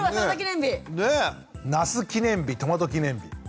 なす記念日トマト記念日。